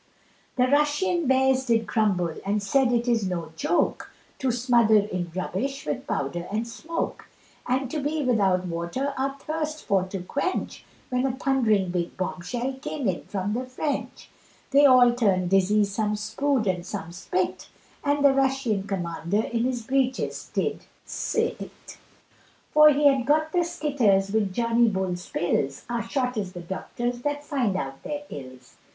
The Russian bears did grumble and said it is no joke To smother in rubbish with powder and smoke, And to be without water our thirst for to quench, When a thundering big bomb shell came in from the French, They all turned dizzy some spued and some spit, And the Russian commander in his breeches did s t, For he had got the skitters with Johnny Bull's pills, Our shot is the doctors that find out their ills.